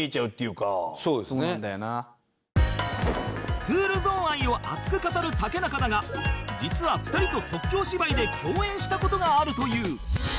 スクールゾーン愛を熱く語る竹中だが実は２人と即興芝居で共演した事があるという